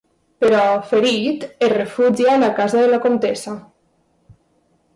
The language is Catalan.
Però, ferit, es refugia a casa de la Comtessa.